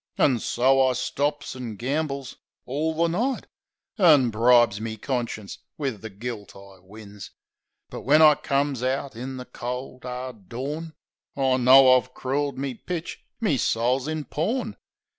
An' so I stops an' gambles orl the night; An' bribes me conscience wiv the gilt I wins But when I comes out in the cold, 'ard dawn I know I've crooled me pitch ; me soul's in pawn.